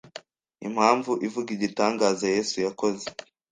Impamvu ivuga `Igitangaza yesu yakoze